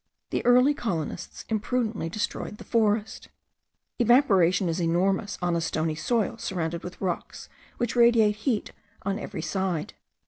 The early colonists imprudently destroyed the forests. Evaporation is enormous on a stony soil surrounded with rocks, which radiate heat on every side.